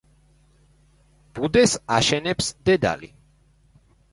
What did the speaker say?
ბუდეს აშენებს დედალი.